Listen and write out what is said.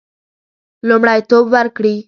لومړیتوب ورکړي.